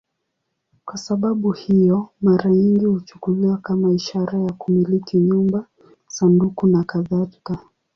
Kwa sababu hiyo, mara nyingi huchukuliwa kama ishara ya kumiliki nyumba, sanduku nakadhalika.